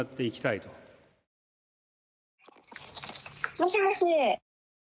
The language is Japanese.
もしもし。